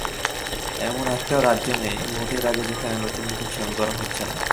এমন একটাও রাজ্য নেই, ভোটের আগে যেখানে নতুন নতুন সমীকরণ হচ্ছে না।